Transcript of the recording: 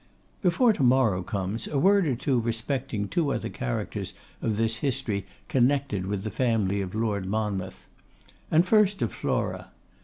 Before to morrow comes, a word or two respecting two other characters of this history connected with the family of Lord Monmouth. And first of Flora.